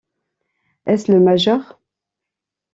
Est-ce le major?